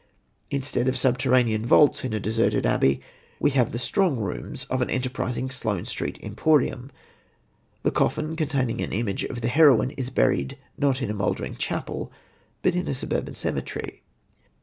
Instead of subterranean vaults in a deserted abbey, we have the strong rooms of an enterprising Sloane Street emporium. The coffin, containing an image of the heroine, is buried not in a mouldering chapel, but in a suburban cemetery.